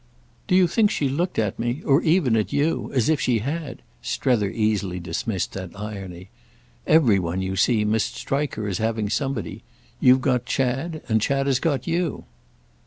_" "Do you think she looked at me—or even at you—as if she had?" Strether easily dismissed that irony. "Every one, you see, must strike her as having somebody. You've got Chad—and Chad has got you."